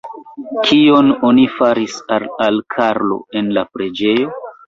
Kion oni faris al Karlo en la preĝejo?